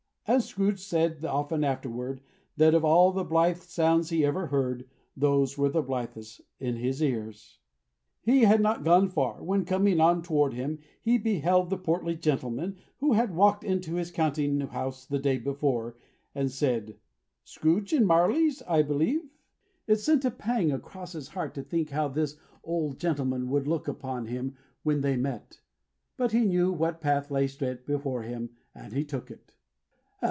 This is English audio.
And Scrooge said often afterward, that of all the blithe sounds he ever heard, those were the blithest in his ears. He had not gone far, when coming on toward him he beheld the portly gentleman, who had walked into his counting house the day before, and said "Scrooge and Marley's, I believe?" It sent a pang across his heart to think how this old gentleman would look upon him when they met; but he knew what path lay straight before him, and he took it.